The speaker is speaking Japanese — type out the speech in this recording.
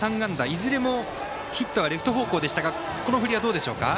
いずれもヒットがレフト方向でしたがこの振りはどうでしたか？